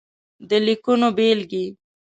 د ليکنو بېلګې :